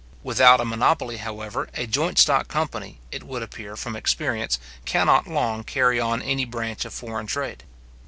Without a monopoly, however, a joint stock company, it would appear from experience, cannot long carry on any branch of foreign trade.